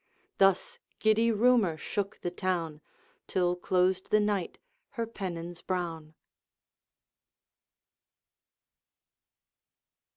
Thus giddy rumor shook the town, Till closed the Night her pennons brown.